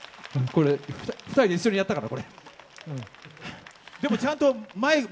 これ２人で一緒にやったから。